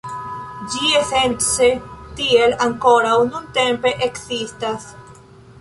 Ĝi esence tiel ankoraŭ nuntempe ekzistas.